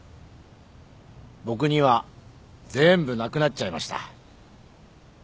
僕には全部なくなっちゃいました。